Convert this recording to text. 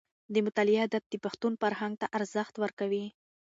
د مطالعې عادت د پښتون فرهنګ ته ارزښت ورکوي.